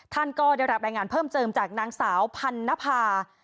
ท่านก็ได้รับรายงานเพิ่มเติมจากนางสาวพันนภา